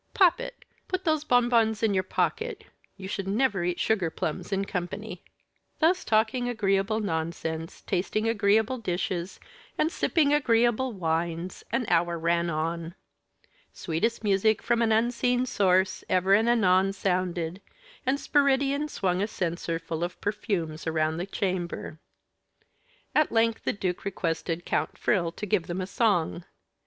Poppet! put those bonbons in your pocket. You should never eat sugar plums in company." Thus talking agreeable nonsense, tasting agreeable dishes, and sipping agreeable wines, an hour ran on. Sweetest music from an unseen source ever and anon sounded, and Spiridion swung a censer full of perfumes around the chamber. At length the duke requested Count Frill to give them a song.